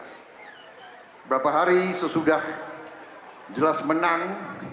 beberapa hari sesudah jelas menang